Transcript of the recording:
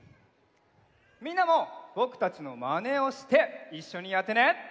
みんなもぼくたちのまねをしていっしょにやってね！